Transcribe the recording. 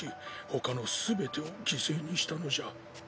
ほかの全てを犠牲にしたのじゃ。